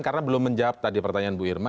karena belum menjawab tadi pertanyaan bu irma